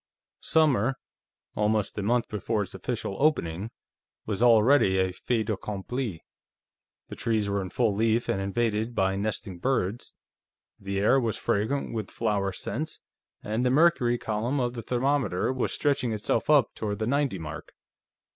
Summer, almost a month before its official opening, was already a fait accompli. The trees were in full leaf and invaded by nesting birds, the air was fragrant with flower scents, and the mercury column of the thermometer was stretching itself up toward the ninety mark.